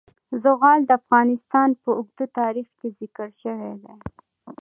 زغال د افغانستان په اوږده تاریخ کې ذکر شوی دی.